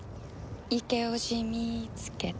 イケオジ見つけた。